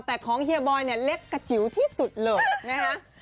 แต่ของเฮียบอยเนี่ยเล็กกระจิ๋วที่สุดเลยนะคะ